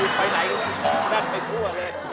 อุ๊ยไปไหนกันแล้วนั่นไปทั่วเลย